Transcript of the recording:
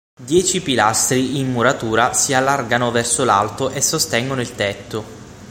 Dieci pilastri in muratura si allargano verso l'alto e sostengono il tetto.